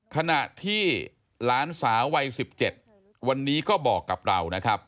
ขณะที่หลานสาววัย๑๗วันนี้ก็บอกกับเรานะครับ